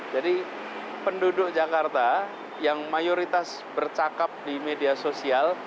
jadi penduduk jakarta yang mayoritas bercakap di media sosial